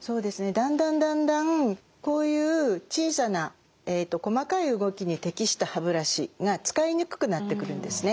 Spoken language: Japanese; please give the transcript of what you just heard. だんだんだんだんこういう小さな細かい動きに適した歯ブラシが使いにくくなってくるんですね。